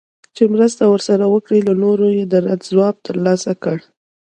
چي مرسته ورسره وکړي له نورو یې د رد ځواب ترلاسه کړ